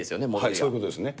そういうことですね。